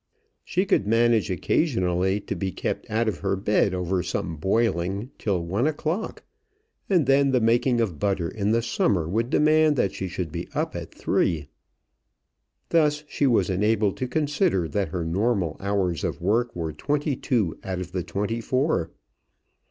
She could manage occasionally to be kept out of her bed over some boiling till one o'clock; and then the making of butter in the summer would demand that she should be up at three. Thus she was enabled to consider that her normal hours of work were twenty two out of the twenty four.